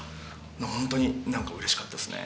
ホントに何かうれしかったっすね。